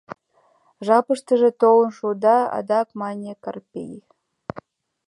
— Жапыштыже толын шуында, — адак мане Карпей.